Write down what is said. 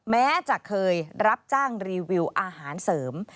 แม้จะเคยรับจ้างรีวิวอาหารเสริม